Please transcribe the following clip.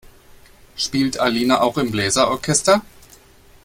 Spielt Alina auch im Bläser-Orchester?